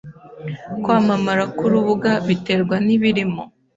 Kwamamara kwurubuga biterwa nibirimo.